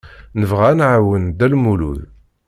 Nebɣa ad nɛawen Dda Lmulud.